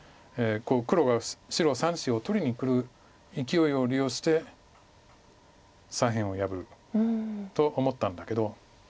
黒が白３子を取りにくるいきおいを利用して左辺を破ると思ったんだけど。